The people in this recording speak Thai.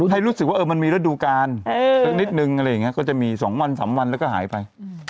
ให้รู้สึกว่ามันมีฤดูกาลก็จะมี๒๓วันแล้วก็หายไป